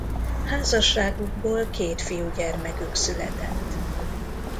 Házasságukból két fiúgyermekük született.